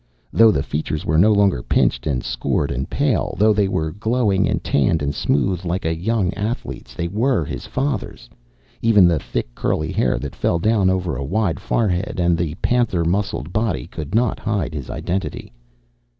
Though the features were no longer pinched and scored and pale, though they were glowing and tanned and smooth like a young athlete's they were his father's! Even the thick, curly hair that fell down over a wide forehead and the panther muscled body could not hide his identity.